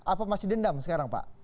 apa masih dendam sekarang pak